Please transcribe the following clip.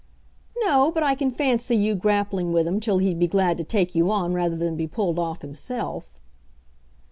"No, but I can fancy you grappling with him till he'd be glad to take you on rather than be pulled off himself."